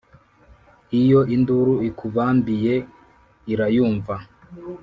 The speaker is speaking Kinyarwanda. iyo induru ikubambiye irayumva